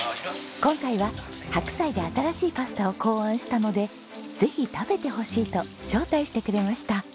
今回は白菜で新しいパスタを考案したのでぜひ食べてほしいと招待してくれました。